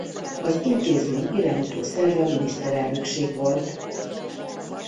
Az intézmény irányító szerve a Miniszterelnökség volt.